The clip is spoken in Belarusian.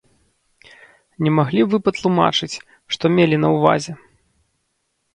Не маглі б вы патлумачыць, што мелі на ўвазе?